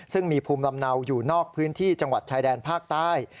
ซึ่งมีภูมิลำเนาอยู่นอกพื้นที่จังหวัดชายแดนภาคใต้